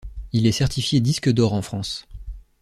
Il est certifié disque d'or en France.